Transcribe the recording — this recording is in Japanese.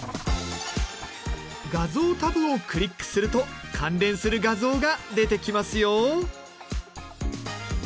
画像タブをクリックすると関連する画像が出てきますよ。